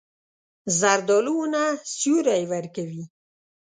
زردالو ونه سیوری ورکوي.